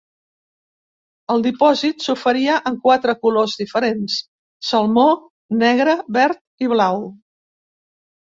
El dipòsit s'oferia en quatre colors diferents: salmó, negre, verd i blau.